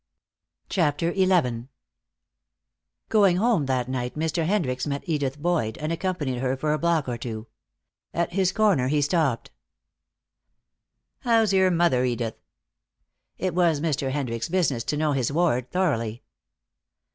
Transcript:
CHAPTER XI Going home that night Mr. Hendricks met Edith Boyd, and accompanied her for a block or two. At his corner he stopped. "How's your mother, Edith?" It was Mr. Hendricks' business to know his ward thoroughly.